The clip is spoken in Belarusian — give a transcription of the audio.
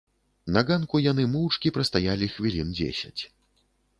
На ганку яны моўчкі прастаялі хвілін дзесяць.